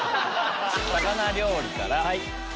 魚料理から。